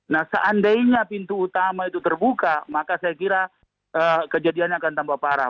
nah seandainya pintu utama itu terbuka maka saya kira kejadiannya akan tambah parah